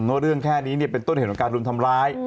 ว่าเรื่องแค่นี้เป็นต้นเหตุของการรุมทำร้าย